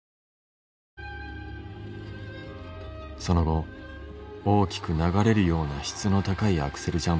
その後大きく流れるような質の高いアクセル